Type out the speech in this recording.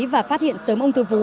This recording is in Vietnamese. và phát hiện sớm ung thư vú